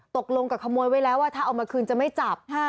ตกลงกับขโมยไว้แล้วว่าถ้าเอามาคืนจะไม่จับ